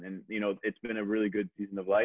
itu udah sebuah sepanjang hidup yang bagus